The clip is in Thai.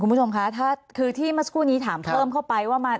คุณผู้ชมคะคือที่เมื่อกี้ถามเพิ่มเข้าไปว่า